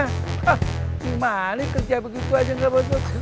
hah gimana kerja begitu aja gak bos bos